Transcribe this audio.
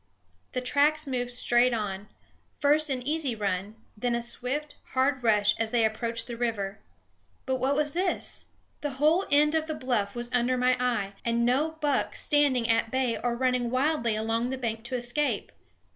The tracks moved straight on; first an easy run, then a swift, hard rush as they approached the river. But what was this? The whole end of the bluff was under my eye, and no buck standing at bay or running wildly along the bank to escape.